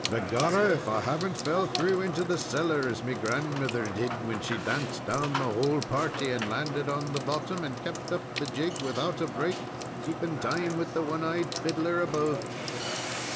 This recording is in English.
"Begorrah, if I haven't fell through into the cellar, as me grandmither did when she danced down the whole party, and landed on the bottom, and kept up the jig without a break, keep ing time with the one eyed fiddler above."